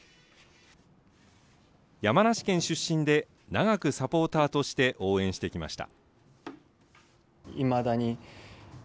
山梨県出身で、長くサポーターとして応援してきました。